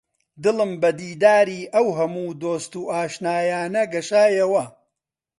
دڵم بە دیداری ئەو هەموو دۆست و ئاشنایانە گەشایەوە